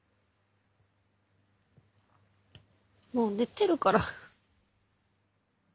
もう寝てるから。